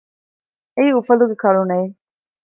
އެއީ އުފަލުގެ ކަރުނަ އެއް